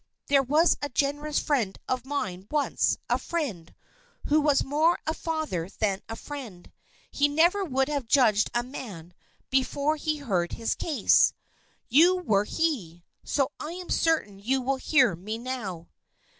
"There was a generous friend of mine, once, a friend, who was more a father than a friend; he never would have judged a man before he heard his case. You were he. So I am certain you will hear me now."